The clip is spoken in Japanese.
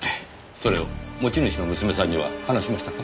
それを持ち主の娘さんには話しましたか？